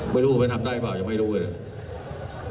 ไม่รู้ว่ามันทำได้หรือเปล่ายังไม่รู้เลยนะ